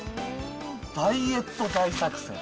ダイエット大作戦。